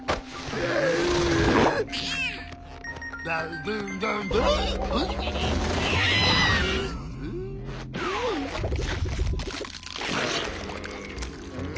うん？